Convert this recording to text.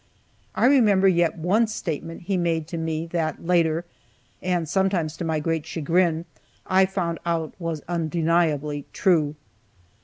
I remember yet one statement he made to me that later, (and sometimes to my great chagrin,) I found out was undeniably true.